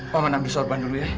paman ambil sorban dulu ya